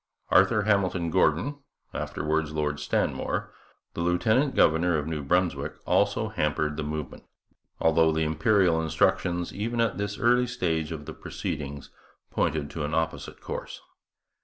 Arthur Hamilton Gordon (afterwards Lord Stanmore), the lieutenant governor of New Brunswick, also hampered the movement; although the Imperial instructions, even at this early stage of the proceedings, pointed to an opposite course.